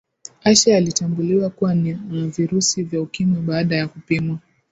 ashe alitambuliwa kuwa na virusi vya ukimwi baada ya kupimwa